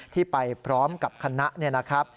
ที่ไปพร้อมกับคณะ